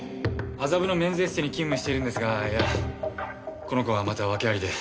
麻布のメンズエステに勤務しているんですがこの子がまた訳ありで。